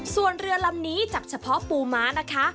ส่วนเรือลำนี้จับเฉพาะปูม้านะคะ